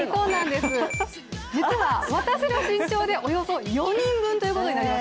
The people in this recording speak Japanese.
実は私の身長でおよそ４人分ということになります。